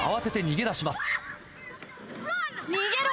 逃げろ！